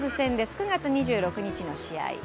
９月２６日の試合。